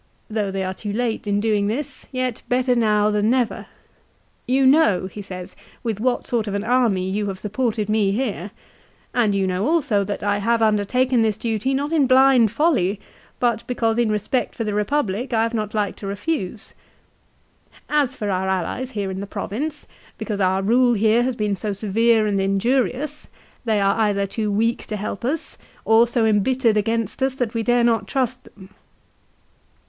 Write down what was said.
Though they are too late in doing this, yet better now than never. 1 " You know," he says, " with what sort of an army you have supported me here ; and you know also that I have undertaken this duty not in blind folly, but because in respect for the Eepublic I have not liked to refuse." " As for our allies here in the province, because our rule here has been so severe and injurious, they are either too weak to help us, or so embittered against us that we dare not trust them."